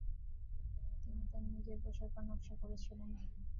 তিনি তার নিজের পোশাকও নকশা করেছিলেন।